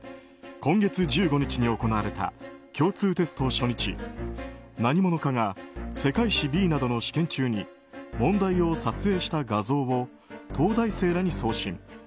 今月１５日に行われた共通テストの初日何者かが世界史Ｂなどの試験中に問題を撮影した画像を東大生らに送信。